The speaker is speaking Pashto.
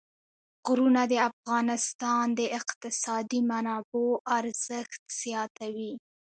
غرونه د افغانستان د اقتصادي منابعو ارزښت زیاتوي.